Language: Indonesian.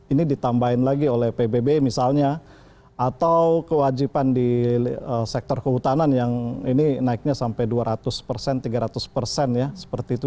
ini ditambahin lagi oleh pbb misalnya atau kewajiban di sektor kehutanan yang ini naiknya sampai dua ratus persen tiga ratus persen ya seperti itu